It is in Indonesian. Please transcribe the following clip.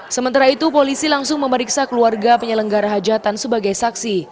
sementara itu polisi langsung memeriksa keluarga penyelenggara hajatan sebagai saksi